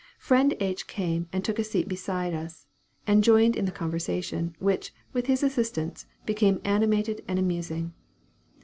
Friend H. came and took a seat beside us, and joined in the conversation, which, with his assistance, became animated and amusing.